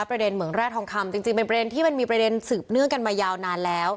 เหมืองแร่ทองคำจริงเป็นประเด็นที่มันมีประเด็นสืบเนื่องกันมายาวนานแล้ว